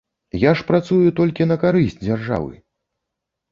Я ж працую толькі на карысць дзяржавы.